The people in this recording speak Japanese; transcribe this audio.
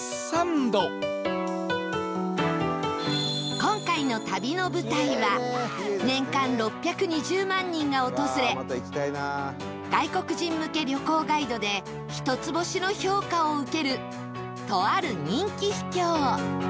今回の旅の舞台は年間６２０万人が訪れ外国人向け旅行ガイドで一つ星の評価を受けるとある人気秘境